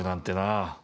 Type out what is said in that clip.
あ